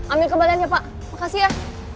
ambil kembaliannya pak makasih ya